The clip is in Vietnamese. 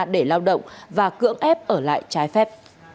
để lao động và cưỡng ép ở lại trái phép